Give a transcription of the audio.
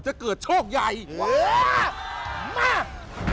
จะเกิดโชคใหญ่มาก